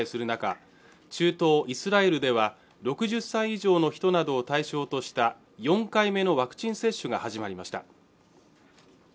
中東イスラエルでは６０歳以上の人などを対象とした４回目のワクチン接種が始まりました